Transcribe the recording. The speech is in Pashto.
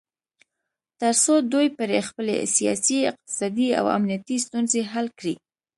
تر څو دوی پرې خپلې سیاسي، اقتصادي او امنیتي ستونځې حل کړي